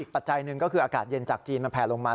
ปัจจัยหนึ่งก็คืออากาศเย็นจากจีนมันแผลลงมา